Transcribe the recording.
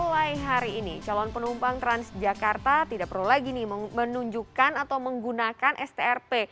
mulai hari ini calon penumpang transjakarta tidak perlu lagi menunjukkan atau menggunakan strp